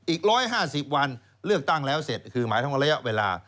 อีก๑๕๐วันเลือกตั้งแล้วเสร็จคือหมายถึงว่าระยะเวลา